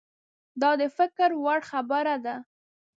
دا د فکر وړ خبره ده.